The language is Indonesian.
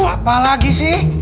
apa lagi sih